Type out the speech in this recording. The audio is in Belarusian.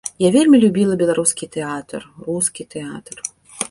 Я вельмі любіла беларускі тэатр, рускі тэатр.